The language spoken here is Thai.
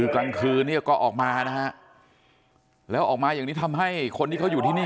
กลางคืนเนี่ยก็ออกมานะฮะแล้วออกมาอย่างนี้ทำให้คนที่เขาอยู่ที่นี่